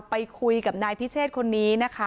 ไปคุยกับนายพิเชษคนนี้นะคะ